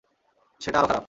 সেটা আরও খারাপ।